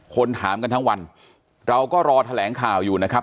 คนถามกันทั้งวันเราก็รอแถลงข่าวอยู่นะครับ